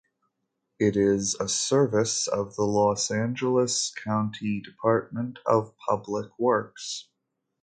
It is a service of the Los Angeles County Department of Public Works.